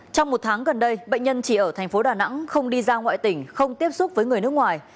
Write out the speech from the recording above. trong một tháng gần đây bệnh nhân chỉ ở thành phố đà nẵng không đi ra ngoại tỉnh không tiếp xúc với người nước ngoài